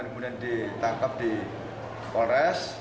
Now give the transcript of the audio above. kemudian ditangkap di kores